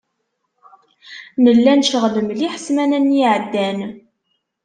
Nella necɣel mliḥ ssmana-nni iεeddan.